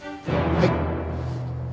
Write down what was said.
はい。